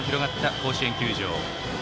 甲子園球場。